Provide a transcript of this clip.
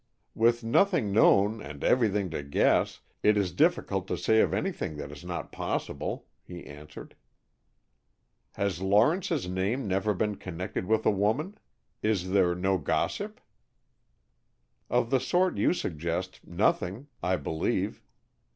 "With nothing known and everything to guess, it is difficult to say of anything that it is not possible," he answered. "Has Lawrence's name never been connected with a woman? Is there no gossip?" "Of the sort you suggest, nothing, I believe."